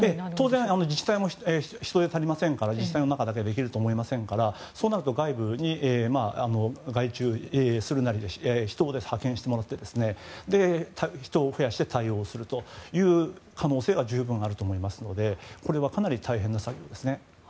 当然、自治体も人手が足りませんから自治体の中だけでできると思いませんからそうなると外部に外注するなり人を派遣してもらって人を増やして対応するという可能性は十分あると思いますのでこれはかなり大変な作業ですね。